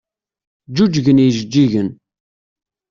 Ǧǧuǧgen yijeǧǧigen.